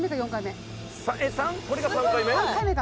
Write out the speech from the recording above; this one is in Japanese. これが３回目？